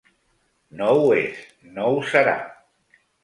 No ho és, no ho serà.